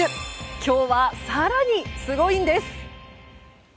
今日は更にすごいんです。